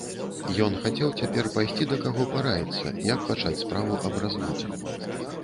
Ён хацеў цяпер пайсці да каго параіцца, як пачаць справу аб разводзе.